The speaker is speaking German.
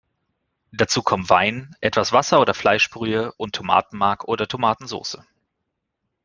Dazu kommen Wein, etwas Wasser oder Fleischbrühe und Tomatenmark oder Tomatensauce.